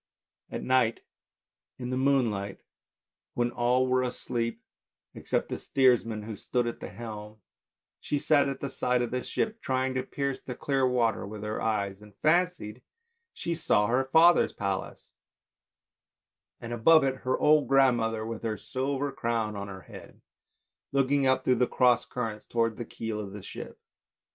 At night, in the moonlight, when all were asleep, except 18 ANDERSEN'S FAIRY TALES the steersman who stood at the helm, she sat at the side of the ship trying to pierce the clear water with her eyes, and fancied she saw her father's palace, and above it her old grandmother with her silver crown on her head, looking up through the cross currents towards the keel of the ship.